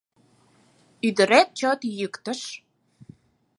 Ӱдырет чот йӱктыш?